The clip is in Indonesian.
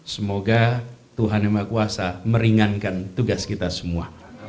semoga tuhan yang maha kuasa meringankan tugas kita semua